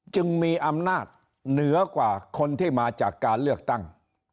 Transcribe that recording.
จึงมีอำนาจเหนือกว่าคนที่มาจากการเลือกตั้ง